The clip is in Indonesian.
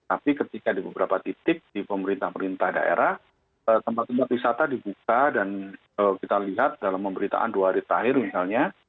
tapi ketika di beberapa titik di pemerintah pemerintah daerah tempat tempat wisata dibuka dan kita lihat dalam pemberitaan dua hari terakhir misalnya